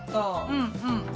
うんうん。